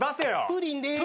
プリンです。